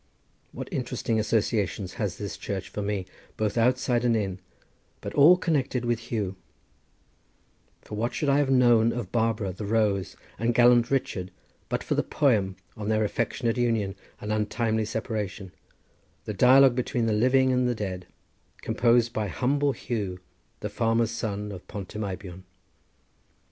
What interesting associations has this church for me, both outside and in; but all connected with Huw; for what should I have known of Barbara the Rose and gallant Richard but for the poem on their affectionate union and untimely separation, the dialogue between the living and the dead, composed by humble Huw, the farmer's son of Pont y Meibion?"